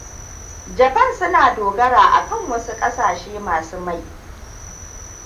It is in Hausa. Japan suna dogara akan wasu kasashe ma mai.